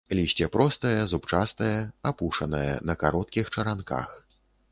Лісце простае, зубчастае, апушанае, на кароткіх чаранках.